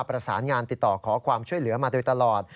ประสานงานติดต่อขอความช่วยเหลือมาโดยตลอด